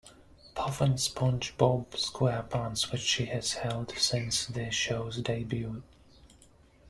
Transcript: Puff in "SpongeBob SquarePants", which she has held since the show's debut.